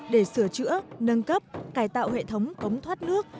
để sửa chữa nâng cấp cải tạo hệ thống cống thoát nước